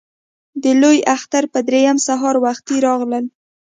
د لوی اختر په درېیمه سهار وختي راغلل.